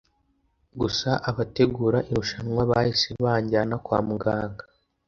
Gusa Abategura irushanwa bahise banjyana kwa muganga